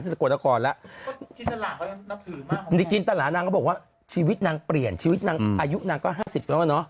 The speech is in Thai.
นิจจินตลาดก็ยังเนื้อถือมากนมบอกว่าชีวิตนางเปลี่ยนชีวิตนางอายุน่านก็๕๐กว่า